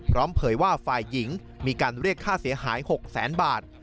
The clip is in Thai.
เผยว่าฝ่ายหญิงมีการเรียกค่าเสียหาย๖แสนบาท